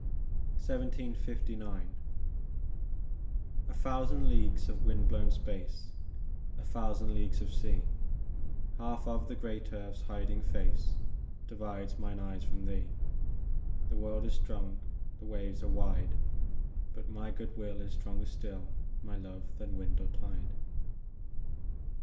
1759 THOUSAND leagues of wind blown space, A thousand leagues of sea, Half of the great earth s hiding face Divides mine eyes from thee ; The world is strong, the waves are wide, But my good will is stronger still, My love, than wind or tide.